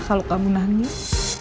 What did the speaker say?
kalau kamu nangis